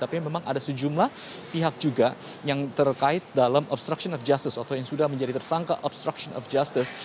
tapi memang ada sejumlah pihak juga yang terkait dalam obstruction of justice atau yang sudah menjadi tersangka obstruction of justice